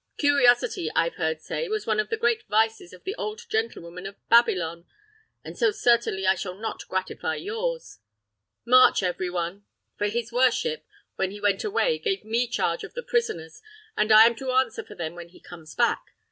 "Curiosity, I've heard say, was one of the great vices of the old gentlewoman of Babylon, and so certainly I shall not gratify yours. March every one; for his worship, when he went away, gave me charge of the prisoners, and I am to answer for them when he comes back.